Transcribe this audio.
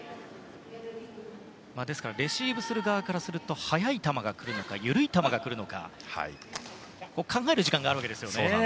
ですからレシーブする側からすると速い球が来るのか緩い球が来るのか考える時間があるわけですよね。